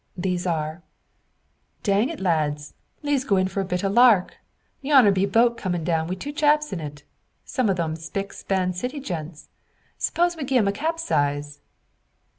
These are: "Dang it, lads! le's goo in for a bit o' a lark! Yonner be a boat coomin' down wi' two chaps in 't; some o' them spick span city gents! S'pose we gie 'em a capsize?"